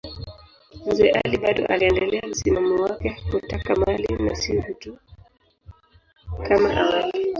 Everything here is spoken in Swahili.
Mzee Ali bado aliendelea msimamo wake wa kutaka mali na si utu kama awali.